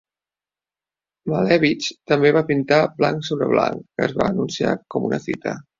Malèvitx també va pintar "Blanc sobre blanc" , que es va anunciar com una fita.